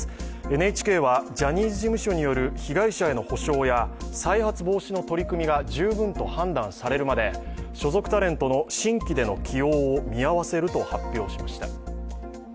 ＮＨＫはジャニーズ事務所による被害者への補償や再発防止の取り組みが十分と判断されるまで、所属タレントの新規での起用を見合わせると発表しました。